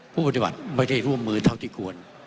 ผู้ปฏิบัติไม่ได้ร่วมมือเท่าที่ควร